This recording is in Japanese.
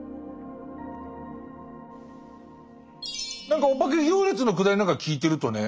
何かお化け行列のくだりなんか聞いてるとね